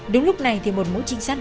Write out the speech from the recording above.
đúng lúc này thì một mối trinh sát